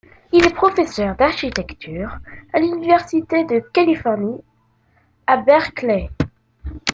Il est professeur d'architecture à l'université de Californie à Berkeley.